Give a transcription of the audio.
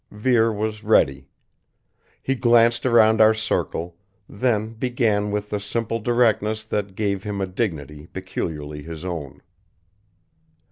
Vere was ready. He glanced around our circle, then began with the simple directness that gave him a dignity peculiarly his own.